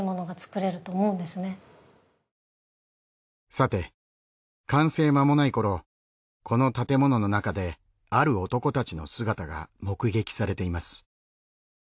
さて完成間もない頃この建物の中である男たちの姿が目撃されています。